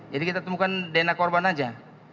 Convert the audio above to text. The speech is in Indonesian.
jadi kita temukan dna korban saja